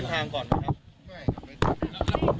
นะครับ